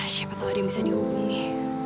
siapa tuh ada yang bisa dihubungi